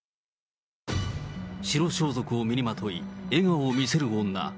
白装束を身にまとい、笑顔を見せる女。